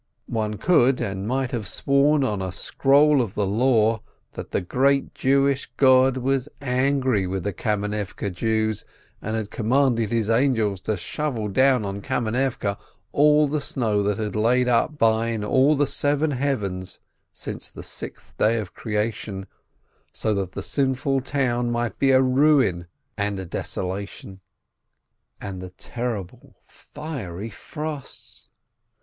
One could and might have sworn on a scroll of the Law, that the great Jewish God was angry with the Kamenivke Jews, and had commanded His angels to shovel down on Kamenivke all the snow that had lain by in all the seven heavens since the sixth day of creation, so that the sinful town might be a ruin and a desolation. 216 LERNER And the terrible, fiery frosts